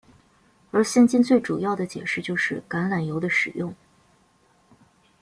而现今最主要的解释就是橄榄油的使用。